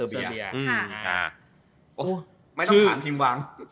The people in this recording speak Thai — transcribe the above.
บาติว